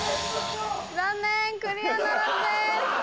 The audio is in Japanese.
残念クリアならずです。